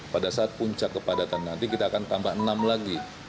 pada saat puncak kepadatan nanti kita akan tambah enam lagi